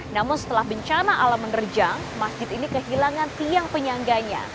namun setelah bencana alam menerjang masjid ini kehilangan tiang penyangganya